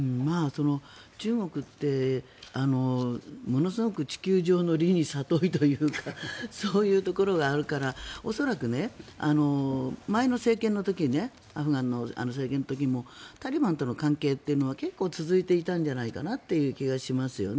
中国ってものすごく地球上の利にさといというかそういうところがあるから恐らく前の政権の時にアフリカの政権の時にもタリバンとの関係というのは結構続いていたんじゃないかなという気がしますよね。